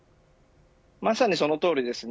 まさに、そのとおりです。